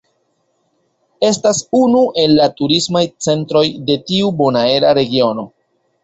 Estas unu el la turismaj centroj de tiu bonaera regiono.